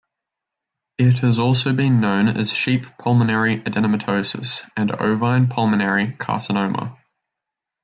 It has also been known as sheep pulmonary adenomatosis and ovine pulmonary carcinoma.